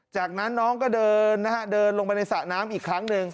จากนั้นน้องก็เดินนะฮะเดินลงไปในสระน้ำอีกครั้งหนึ่ง